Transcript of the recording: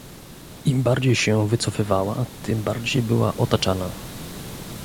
Im bardziej się wycofywała, tym bardziej była otaczana